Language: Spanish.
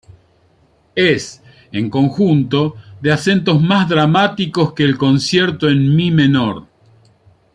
Es, en conjunto, de acentos más dramáticos que el Concierto en mi menor.